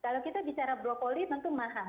kalau kita bicara brokoli tentu mahal